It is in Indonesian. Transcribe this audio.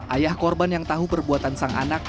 ayah korban yang tahu perbuatan sang anak